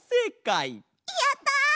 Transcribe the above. やった！